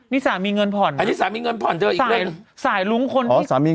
นี่สามีเงินผ่อนอันนี้สามีเงินผ่อนเจออีกเรื่องสายรุ้งคนที่